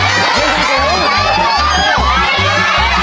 ขอบคุณครับ